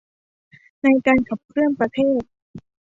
ในการขับเคลื่อนประเทศ